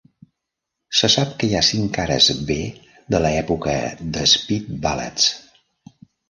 Se sap que hi ha cinc cares B de l'època d'"Speed Ballads".